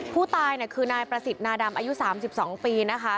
ผู้ตายคือนายประสิทธิ์นาดำอายุ๓๒ปีนะคะ